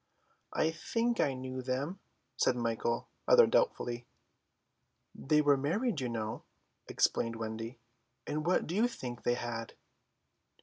"I think I knew them," said Michael rather doubtfully. "They were married, you know," explained Wendy, "and what do you think they had?"